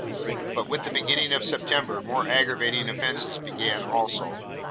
But with the beginning of September more aggravating offences began also.